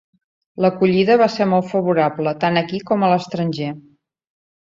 L'acollida va ser molt favorable tant aquí com a l'estranger.